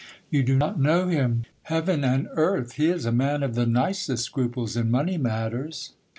You do not know him. Heaven and earth ! he is a man of the nicest scruples in money matters.